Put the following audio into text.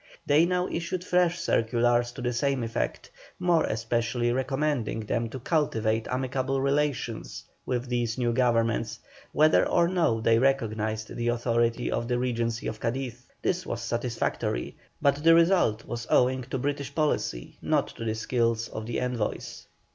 They now issued fresh circulars to the same effect, more especially recommending them to cultivate amicable relations with these new governments, whether or no they recognised the authority of the Regency of Cadiz. This was satisfactory, but the result was owing to British policy, not to the skill of the envoys.